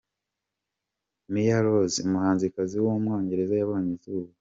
Mia Rose, umuhanzikazi w’umwongereza yabonye izuba.